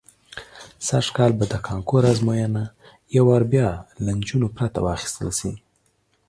سږ کال به د کانکور ازموینه یو وار بیا له نجونو پرته واخیستل شي.